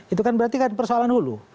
itu kan berarti kan persoalan hulu